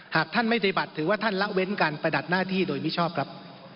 หากท่านไม่ปฏิบัติถือว่าท่านละเว้นการประดับหน้าที่โดยมิชอบครับ